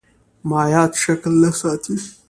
مایعات شکل نه ساتي.